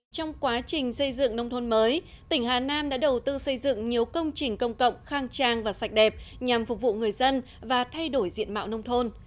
trong quá trình xây dựng nông thôn mới tỉnh hà nam đã đầu tư xây dựng nhiều công trình công cộng khang trang và sạch đẹp nhằm phục vụ người dân và thay đổi diện mạo nông thôn